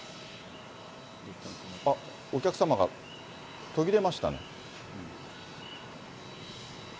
お客様が途切れましたね。